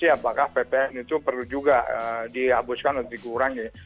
apakah ppn itu perlu juga dihabiskan atau dikurangin